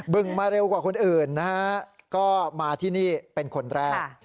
ึ่งมาเร็วกว่าคนอื่นนะฮะก็มาที่นี่เป็นคนแรก